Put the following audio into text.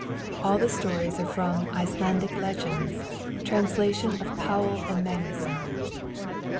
All the stories are from 'Icelandic Legends': Translation of Powell and Magnusson.